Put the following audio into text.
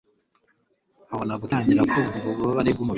abona gutangira kwumva ububabare bw'umubiri,